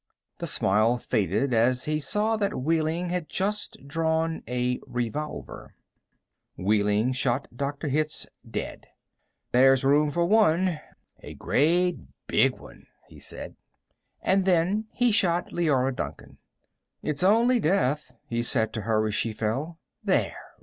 The smile faded as he saw that Wehling had just drawn a revolver. Wehling shot Dr. Hitz dead. "There's room for one a great big one," he said. And then he shot Leora Duncan. "It's only death," he said to her as she fell. "There!